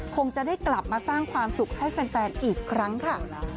คงจะได้กลับมาสร้างความสุขให้แฟนอีกครั้งค่ะ